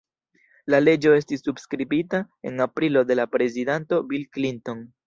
La leĝo estis subskribita en aprilo de la prezidanto Bill Clinton.